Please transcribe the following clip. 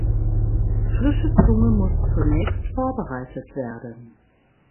Frische Zunge muss zunächst vorbereitet werden.